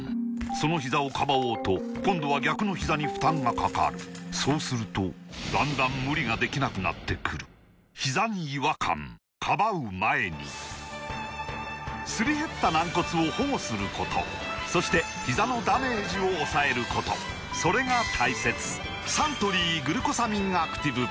そのひざをかばおうと今度は逆のひざに負担がかかるそうするとだんだん無理ができなくなってくるすり減った軟骨を保護することそしてひざのダメージを抑えることそれが大切サントリー「グルコサミンアクティブ」